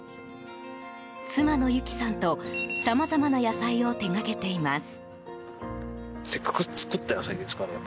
妻の由記さんとさまざまな野菜を手掛けています。